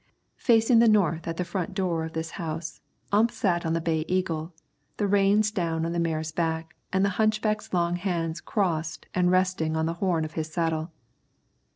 Facing the north at the front door of this house, Ump sat on the Bay Eagle, the reins down on the mare's neck and the hunchback's long hands crossed and resting on the horn of his saddle.